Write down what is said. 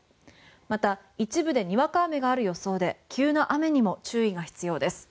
また、一部でにわか雨がある予想で急な雨にも注意が必要です。